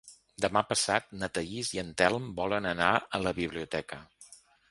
Demà passat na Thaís i en Telm volen anar a la biblioteca.